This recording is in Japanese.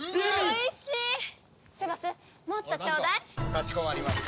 かしこまりました。